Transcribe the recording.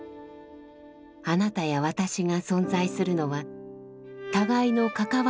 あなたや私が存在するのは互いの関わり合いがあるから。